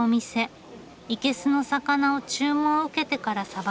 生けすの魚を注文を受けてからさばきます。